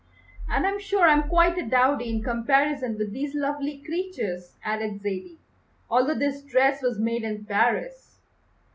"And I'm sure I am quite a dowdy in comparison with these lovely creatures," added Zaidie, "although this dress was made in Paris.